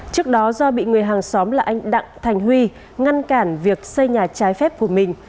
trước đó do bị người hàng xóm là anh đặng thành huy ngăn cản việc xây nhà trái phép của mình